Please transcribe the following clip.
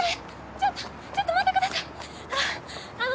ちょっとちょっと待ってくあっあの。